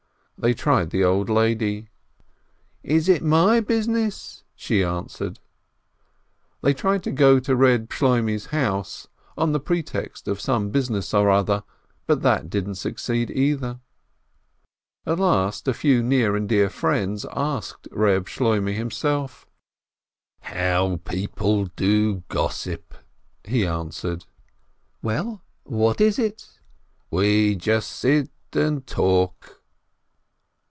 They tried the old lady. "Is it my business ?" she answered. They tried to go in to Eeb Shloimeh's house, on the pretext of some business or other, but that didn't suc ceed, either. At last, a few near and dear friends asked Eeb Shloimeh himself. "How people do gossip !" he answered. "Well, what is it?" "We just sit and talk!"